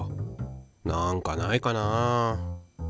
なんかないかな。